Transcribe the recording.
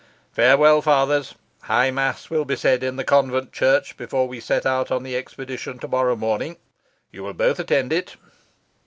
Farewell, fathers. High mass will be said in the convent church before we set out on the expedition to morrow morning. You will both attend it."